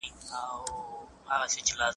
د بشر نیکمرغي په نړیوال حکومت کي ده.